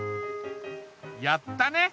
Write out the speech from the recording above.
やったね！